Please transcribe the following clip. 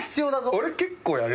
俺結構やれるよ。